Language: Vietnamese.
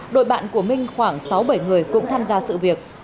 đội bạn của minh khoảng sáu bảy người cũng tham gia sự việc